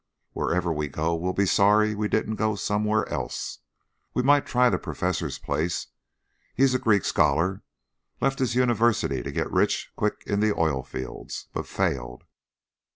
"Wherever we go, we'll be sorry we didn't go somewhere else. We might try the Professor's place. He's a Greek scholar left his university to get rich quick in the oil fields, but failed.